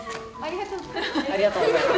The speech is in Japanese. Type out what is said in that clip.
・ありがとうございます。